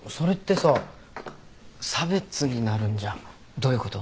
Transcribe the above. どういうこと？